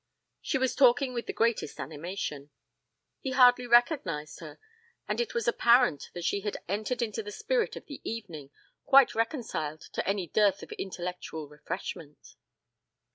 She was talking with the greatest animation. He hardly recognized her and it was apparent that she had entered into the spirit of the evening, quite reconciled to any dearth of intellectual refreshment.